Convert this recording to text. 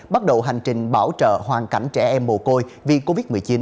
bắt đầu hành trình bảo trợ hoàn cảnh trẻ em mồ côi vì covid một mươi chín